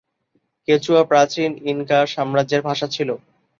Quechua প্রাচীন Inca সাম্রাজ্যের ভাষা ছিল।